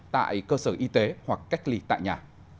tại cơ sở y tế hoặc cách ly tại nhà